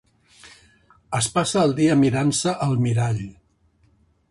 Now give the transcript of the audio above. Es passa el dia mirant-se al mirall.